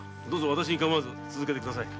わたしに構わず続けて下さい。